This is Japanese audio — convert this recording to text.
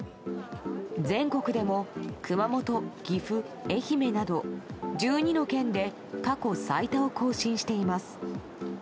全国でも熊本、岐阜、愛媛など１２の県で過去最多を更新しています。